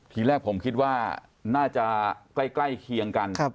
ทีแรกผมคิดว่าน่าจะใกล้เคียงกัน